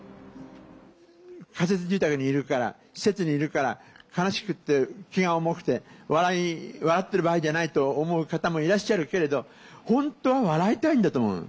仮設住宅にいるから施設にいるから悲しくって気が重くて笑ってる場合じゃないと思う方もいらっしゃるけれど本当は笑いたいんだと思う。